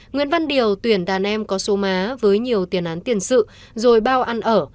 nguyễn văn điều tuyển đàn em có số má với nhiều tiền án tiền sự rồi bao ăn ở